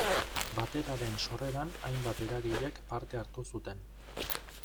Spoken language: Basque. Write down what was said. Bateraren sorreran hainbat eragilek parte hartu zuten.